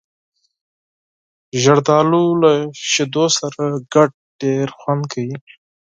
زردالو له شیدو سره ګډ ډېر خوند کوي.